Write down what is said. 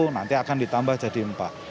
nanti akan ditambah jadi empat